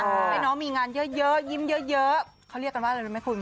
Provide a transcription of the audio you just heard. ให้น้องมีงานเยอะยิ้มเยอะเขาเรียกกันว่าอะไรรู้ไหมคุณ